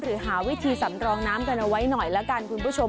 หาวิธีสำรองน้ำกันเอาไว้หน่อยละกันคุณผู้ชม